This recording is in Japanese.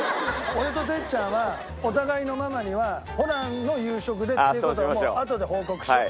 俺と哲ちゃんはお互いのママにはホランの夕食でっていう事をもうあとで報告しよう。